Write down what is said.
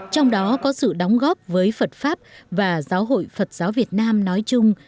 trong đó có sự đóng góp với phật pháp và giáo hội phật giáo việt nam nói chung